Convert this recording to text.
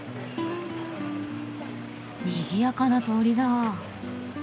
にぎやかな通りだ。